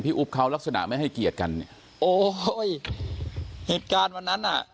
อุ๊บเขาลักษณะไม่ให้เกียรติกันเนี่ยโอ้ยเหตุการณ์วันนั้นอ่ะ